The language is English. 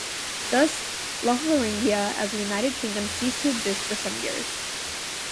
Thus Lotharingia, as a united kingdom, ceased to exist for some years.